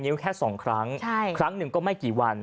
แค่๒ครั้งครั้งหนึ่งก็ไม่กี่วัน